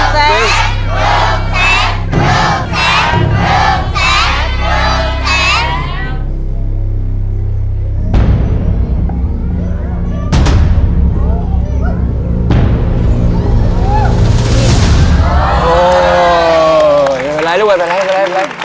ไปเลยไปเลยไปเลยไปเลย